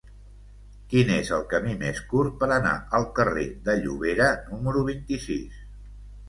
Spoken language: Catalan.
Quin és el camí més curt per anar al carrer de Llobera número vint-i-sis?